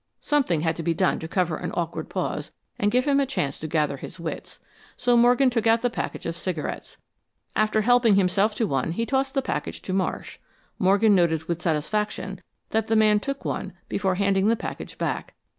Something had to be done to cover an awkward pause, and give him a chance to gather his wits, so Morgan took out the package of cigarettes. After helping himself to one, he tossed the package to Marsh. Morgan noted with satisfaction that the man took one before handing the package back.